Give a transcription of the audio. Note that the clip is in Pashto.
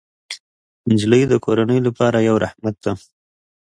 نجلۍ د کورنۍ لپاره یو رحمت دی.